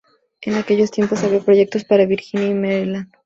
En aquellos tiempos había proyectos para Virginia y Maryland.